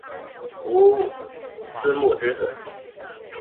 吴思穆之子。